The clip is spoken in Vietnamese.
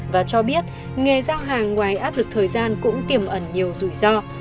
và cho biết nghề giao hàng ngoài áp lực thời gian cũng tiềm ẩn nhiều rủi ro